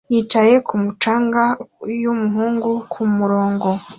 yicaye kumu canga yumuhungu kumurongo